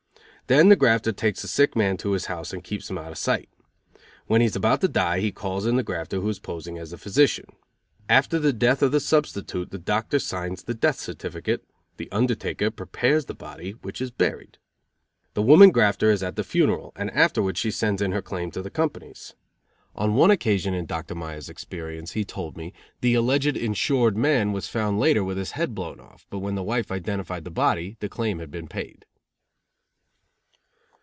Then the grafter takes the sick man to his house and keeps him out of sight. When he is about to die he calls in the grafter who is posing as a physician. After the death of the substitute the doctor signs the death certificate, the undertaker prepares the body, which is buried. The woman grafter is at the funeral, and afterwards she sends in her claim to the companies. On one occasion in Dr. Myers's experience, he told me, the alleged insured man was found later with his head blown off, but when the wife identified the body, the claim had been paid.